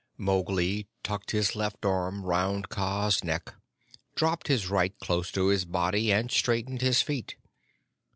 Mowgli tucked his left arm round Kaa's neck, dropped his right close to his body, and straightened his feet.